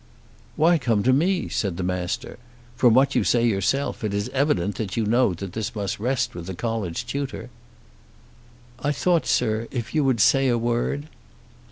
"Why come to me?" said the Master. "From what you say yourself, it is evident that you know that this must rest with the College tutor." "I thought, sir, if you would say a word."